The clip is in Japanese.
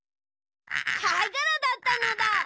かいがらだったのだ。